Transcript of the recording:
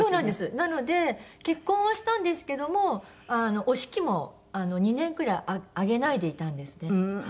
なので結婚はしたんですけどもお式も２年くらい挙げないでいたんですね。